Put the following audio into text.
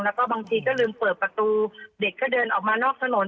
แล้วก็บางทีก็ลืมเปิดประตูเด็กก็เดินออกมานอกถนน